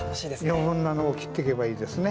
余分なのを切ってけばいいですね。